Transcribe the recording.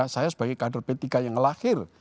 saya sebagai kader p tiga yang lahir